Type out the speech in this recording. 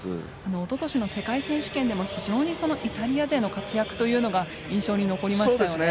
おととしの世界選手権でも非常にイタリア勢の活躍が印象に残りましたよね。